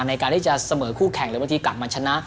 ในการที่จะเสมอคู่แข่งหรือบางทีกลับมาชนะ